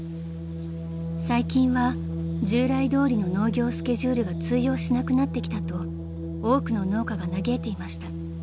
［最近は従来どおりの農業スケジュールが通用しなくなってきたと多くの農家が嘆いていました］